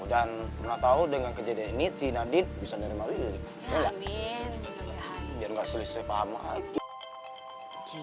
dan pernah tau dengan kejadian ini si nadine bisa denger sama willy